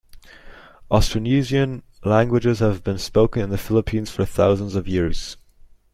Austronesian languages have been spoken in the Philippines for thousands of years.